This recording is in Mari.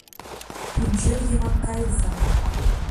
Пӱнчер йымак кайыза!